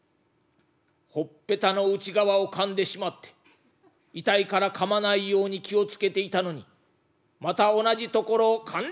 「ほっぺたの内側をかんでしまって痛いからかまないように気を付けていたのにまた同じ所をかんでしまうことがある！」。